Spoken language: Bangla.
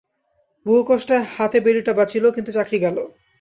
বহুকষ্টে হাতে বেড়িটা বাঁচিল, কিন্তু চাকরি গেল।